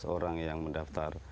tiga belas orang yang mendaftar